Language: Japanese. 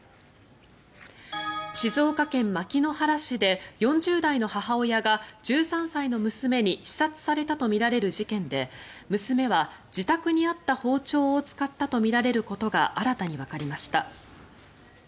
静岡県牧之原市で４０代の母親が１３歳の娘に刺殺されたとみられる事件で娘は自宅にあった包丁を使ったとみられることが新たにわかりました。